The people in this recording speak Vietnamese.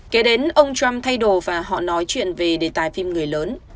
kế đến ông trump thay đồ và họ nói chuyện về đề tài phim người lớn